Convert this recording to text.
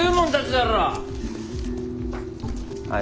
はい！